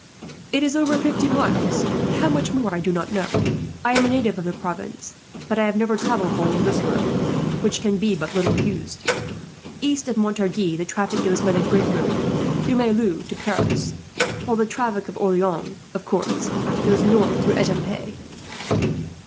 "It is over fifty miles, but how much more I do not know. I am a native of the province, but I have never travelled along this road, which can be but little used. East of Montargis the traffic goes by the great road through Melun to Paris; while the traffic of Orleans, of course, goes north through Etampes."